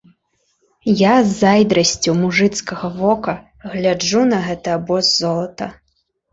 Я з зайздрасцю мужыцкага вока гляджу на гэты абоз золата.